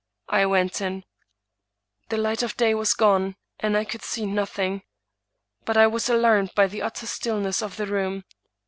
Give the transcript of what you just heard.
I went in. The light of day was gone, and I could see nothing. But I was alarmed by the utter stillness of the room.